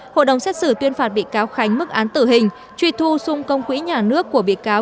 hội đồng xét xử tuyên phạt bị cáo khánh mức án tử hình truy thu sung công quỹ nhà nước của bị cáo